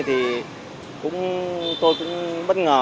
thì tôi cũng bất ngờ